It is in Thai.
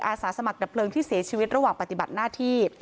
อาสาสมัครดับเพลิงที่เสียชีวิตระหว่างปฏิบัติหน้าที่